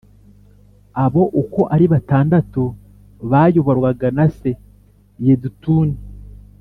abo uko ari batandatu bayoborwaga na se yedutuni